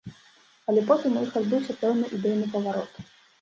Але потым у іх адбыўся пэўны ідэйны паварот.